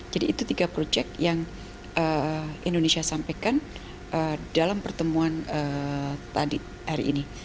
jadi itu tiga proyek yang indonesia sampaikan dalam pertemuan tadi hari ini